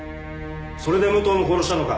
それで武藤も殺したのか？